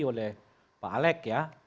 oleh pak alek ya